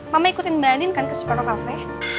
mama ikutin mbak anin kan ke seperno cafe